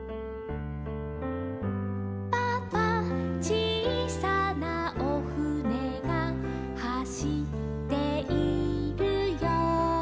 「パパちいさなおふねがはしっているよ」